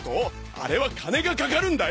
あれは金がかかるんだよ